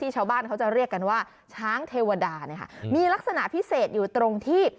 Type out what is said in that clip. ชาวบ้านเขาจะเรียกกันว่าช้างเทวดาเนี่ยค่ะมีลักษณะพิเศษอยู่ตรงที่